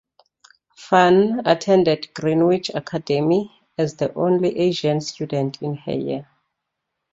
Fan attended Greenwich Academy as the only Asian student in her year.